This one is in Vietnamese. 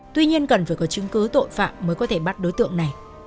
tuy nhiên cần phải có chứng cứ tội phạm mới có thể bắt đối tượng này